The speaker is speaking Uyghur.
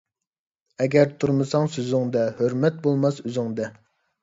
ئەگەر تۇرمىساڭ سۆزۈڭدە، ھۆرمەت بولماس ئۆزۈڭدە.